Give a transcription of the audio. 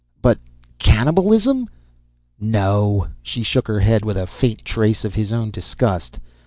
"But cannibalism " "No." She shook her head with a faint trace of his own disgust.